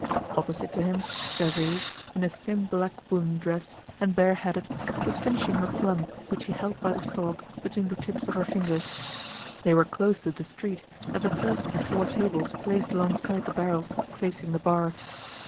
Opposite to him, Gervaise, in a thin black woolen dress, and bareheaded, was finishing her plum which she held by the stalk between the tips of her fingers. They were close to the street, at the first of the four tables placed alongside the barrels facing the bar.